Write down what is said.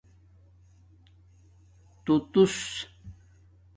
تُݸتوس